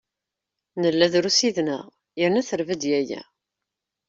Nella drus yid-neɣ yerna terba-d yaya.